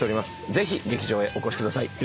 ぜひ劇場へお越しください。